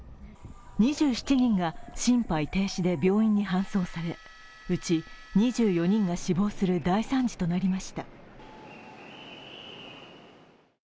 ２７人が心肺停止で病院に搬送されうち２４人が死亡する大惨事となりました。